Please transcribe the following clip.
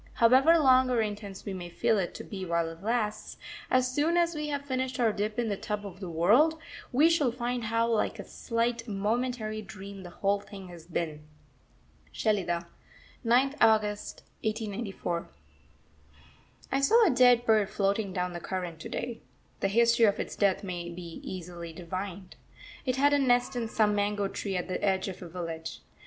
However long or intense we may feel it to be while it lasts, as soon as we have finished our dip in the tub of the world, we shall find how like a slight, momentary dream the whole thing has been.... SHELIDAH, 9th August 1894. I saw a dead bird floating down the current to day. The history of its death may easily be divined. It had a nest in some mango tree at the edge of a village.